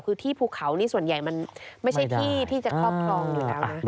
คือที่ภูเขานี่ส่วนใหญ่มันไม่ใช่ที่ที่จะครอบครองอยู่แล้วนะ